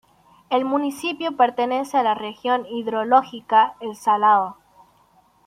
El municipio pertenece a la región hidrológica El Salado.